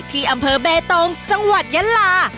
ที่อำเภอเบตงจังหวัดยะลา